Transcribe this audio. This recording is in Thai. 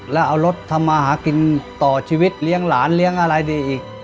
แล้วเอารถทำมาหากินต่อชีวิตเลี้ยงหลานเลี้ยงอะไรดีอีก